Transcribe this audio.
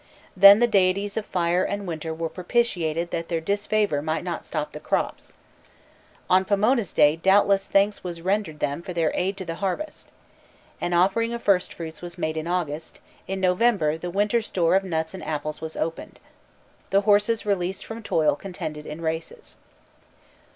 Then the deities of fire and water were propitiated that their disfavor might not ruin the crops. On Pomona's day doubtless thanks was rendered them for their aid to the harvest. An offering of first fruits was made in August; in November the winter store of nuts and apples was opened. The horses released from toil contended in races.